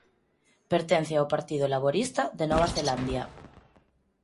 Pertence ao Partido Laborista de Nova Zelandia.